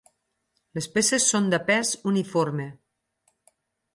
Les peces són de pes uniforme.